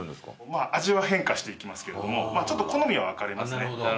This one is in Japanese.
まぁ味は変化していきますけれどもまぁちょっと好みは分かれますね。